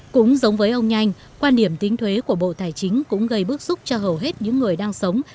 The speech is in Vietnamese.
cũng giống với ông nhanh quan điểm tính thuế của bộ tài chính cũng gây bức xúc cho hầu hết những người đang sống